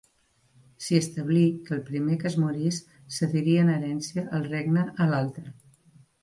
S'hi establí que el primer que es morís cediria en herència el regne a l'altre.